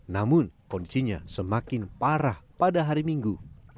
namun kondisinya semakin parah pada hari minggu